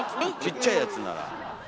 ちっちゃいやつなら。